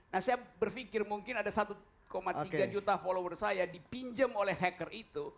nah saya berpikir mungkin ada satu tiga juta follower saya dipinjam oleh hacker itu